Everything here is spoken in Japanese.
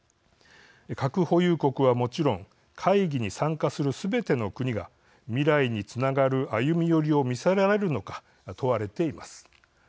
核保有国はもちろん会議に参加するすべての国が未来につながる歩み寄りを見せられるのか問われています。